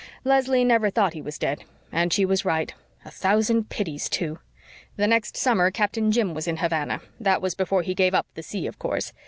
Leslie never thought he was dead and she was right. A thousand pities too! The next summer Captain Jim was in Havana that was before he gave up the sea, of course.